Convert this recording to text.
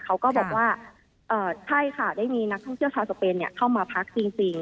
เขาก็บอกว่าใช่ค่ะได้มีนักท่องเที่ยวชาวสเปนเข้ามาพักจริง